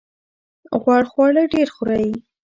غوړ خواړه ډیر خورئ؟